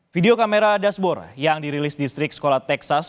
video kamera dashboard yang dirilis distrik sekolah texas